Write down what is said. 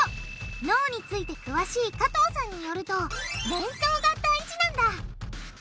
脳について詳しい加藤さんによると連想が大事なんだ！